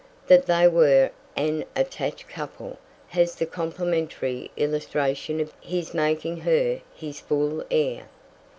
That they were an attached couple has the complementary illustration of his making her his full heir.